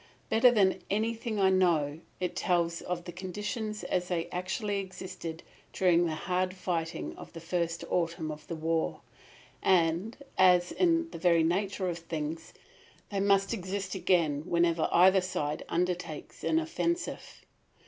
Better than anything I know it tells of conditions as they actually existed during the hard fighting of the first autumn of the war, and as in the very nature of things they must exist again whenever either side undertakes an offensive.